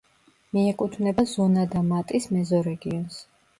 მიეკუთვნება ზონა-და-მატის მეზორეგიონს.